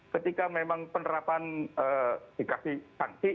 ketika memang penerapan dikasih sanksi